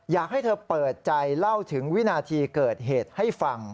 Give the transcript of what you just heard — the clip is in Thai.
อยากให้เธอเปิดใจเล่าถึงวินาทีเกิดเหตุให้ฟัง